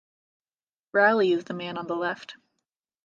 Rowley is the man on the left.